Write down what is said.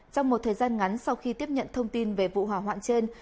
trong một thời gian ngắn sau khi tiếp nhận thông tin về vụ hỏa hoạn trên